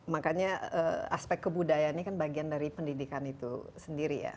makanya aspek kebudayaan ini kan bagian dari pendidikan itu sendiri ya